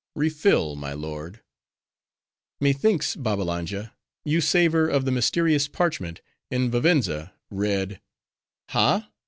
—Refill, my lord." "Methinks, Babbalanja, you savor of the mysterious parchment, in Vivenza read:—Ha?